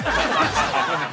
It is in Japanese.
◆すいません